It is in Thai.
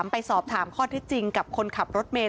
ไปสอบถามข้อที่จริงกับคนขับรถเมย